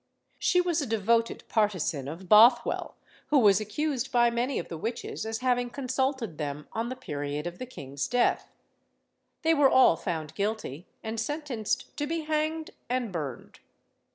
She was a devoted partisan of Bothwell, who was accused by many of the witches as having consulted them on the period of the king's death. They were all found guilty, and sentenced to be hanged and burned.